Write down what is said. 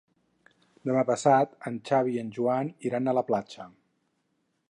Demà passat en Xavi i en Joan iran a la platja.